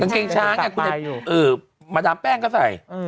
กางเกงช้างอะมาดามแป้งก็ใส่